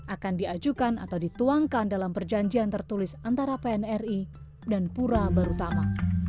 akan diajukan atau dituangkan dalam perjanjian tertulis antara pnri dan pura barutama